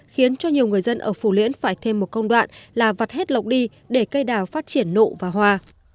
khiến cho nhiều người dân ở phù liễn phải thêm một công đoạn là vặt hết lộc đi để cây đào phát triển nụ và hoa